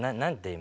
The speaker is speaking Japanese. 今。